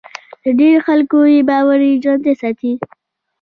د ډېرو خلکو باور یې ژوندی ساتي.